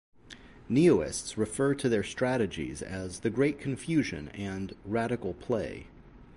Neoists refer to their strategies as "the great confusion" and "radical play".